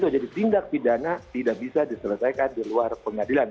jadi tindak pidana tidak bisa diselesaikan di luar pengadilan